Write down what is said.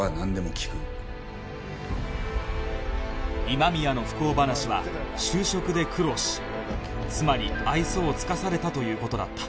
今宮の不幸話は就職で苦労し妻に愛想を尽かされたという事だった